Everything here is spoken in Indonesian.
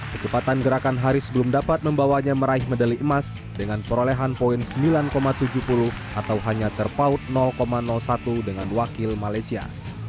kecepatan gerakan haris belum dapat membawanya meraih medali emas dengan perolehan poin sembilan tujuh puluh atau hanya terpaut satu dengan wakil malaysia